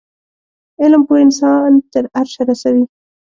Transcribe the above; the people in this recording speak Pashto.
علم پوه انسان تر عرشه رسوی